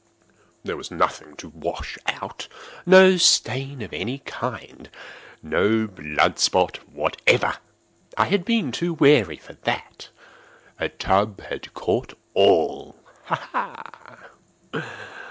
There was nothing to wash out—no stain of any kind—no blood spot whatever. I had been too wary for that. A tub had caught all—ha! ha!